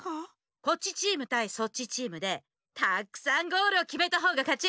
こっちチームたいそっちチームでたくさんゴールをきめたほうがかち。